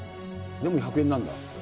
でも１００円なんだ。